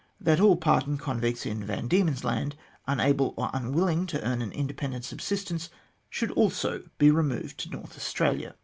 That all pardoned convicts in Van Diemen's Land, unable or unwilling to earn an independent subsistence, should also be removed to North Australia.